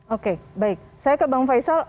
oke baik saya ke bang faisal